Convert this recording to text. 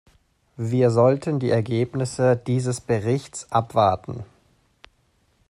Wir sollten die Ergebnisse dieses Berichts abwarten.